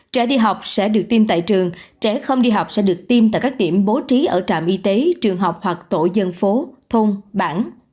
trẻ đi học sẽ được tiêm tại trường trẻ không đi học sẽ được tiêm tại các điểm bố trí ở trạm y tế trường học hoặc tổ dân phố thôn bản